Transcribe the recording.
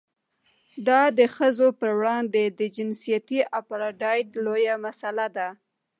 دا د ښځو پر وړاندې د جنسیتي اپارټایډ لویه مسله ده.